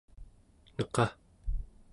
neqaᵉ